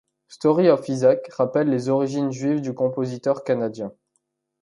Story of Isaac rappelle les origines juives du compositeur canadien.